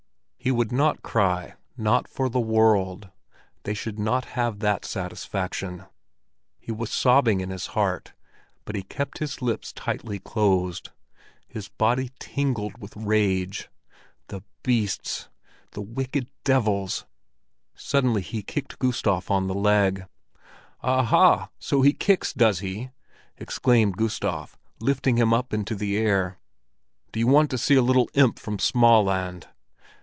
He would not cry—not for the world; they should not have that satisfaction. He was sobbing in his heart, but he kept his lips tightly closed. His body tingled with rage. The beasts! The wicked devils! Suddenly he kicked Gustav on the leg. "Aha, so he kicks, does he?" exclaimed Gustav, lifting him up into the air. "Do you want to see a little imp from Smaaland?"